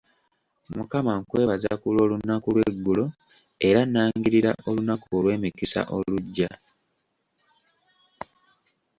Mukama nkwebaza ku lw'olunaku lw'eggulo era nnangirira olunaku olw'emikisa olugya.